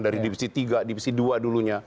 dari divisi tiga divisi dua dulunya